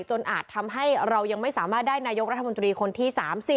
อาจทำให้เรายังไม่สามารถได้นายกรัฐมนตรีคนที่๓๐